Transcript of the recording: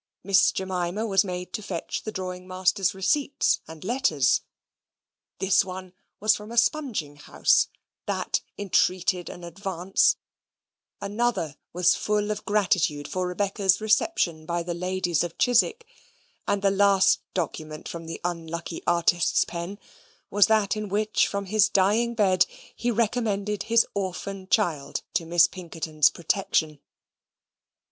Miss Jemima was made to fetch the drawing master's receipts and letters. This one was from a spunging house: that entreated an advance: another was full of gratitude for Rebecca's reception by the ladies of Chiswick: and the last document from the unlucky artist's pen was that in which, from his dying bed, he recommended his orphan child to Miss Pinkerton's protection.